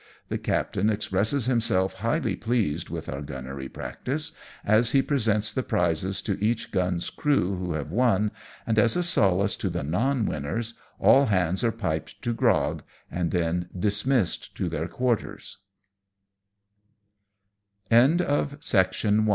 The captain expresses himself highly pleased with our gunnery practice as he presents the prizes to each gun's crew who have won, and as a solace to the non winners, all hands are piped to grog, and then dismissed